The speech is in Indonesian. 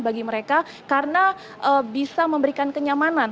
bagi mereka karena bisa memberikan kenyamanan